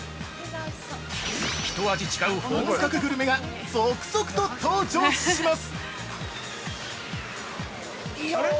ひと味違う本格グルメが続々と登場します！